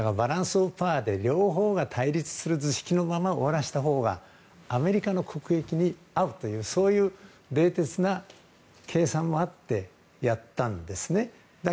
両方が対立する図式のまま終わらせたほうがアメリカの国益に合うという冷徹な計算もあってやったんですね。